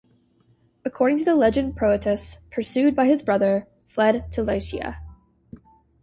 According to the legend Proetus, pursued by his brother, fled to Lycia.